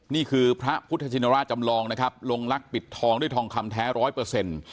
นี่คือพระพุทธชินราชจำลองนะครับลงลักษปิดทองด้วยทองคำแท้ร้อยเปอร์เซ็นต์